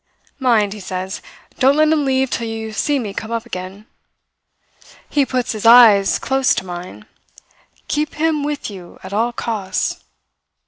"'Mind,' he says, 'don't let him leave you till you see me come up again.' He puts his eyes close to mine. 'Keep him with you at all costs.'